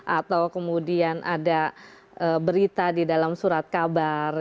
atau kemudian ada berita di dalam surat kabar